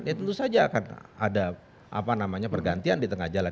ya tentu saja akan ada pergantian di tengah jalan